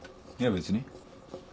別に。